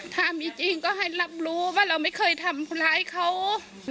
ถ้ามีจริงก็ให้รับรู้ว่าเราไม่เคยทำร้ายเขา